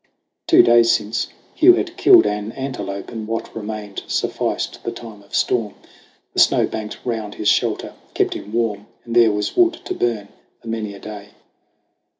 Two days since, Hugh had killed an antelope And what remained sufficed the time of storm. The snow banked round his shelter kept him warm And there was wood to burn for many a day.